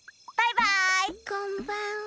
こんばんは。